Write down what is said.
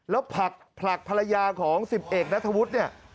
แล้วผลักผลักภรรยาของ๑๑นัฐบุตรเนี่ย